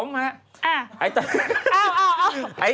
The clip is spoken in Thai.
ทำไม